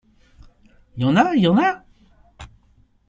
Y en a ! y en a !…